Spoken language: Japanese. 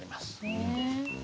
へえ。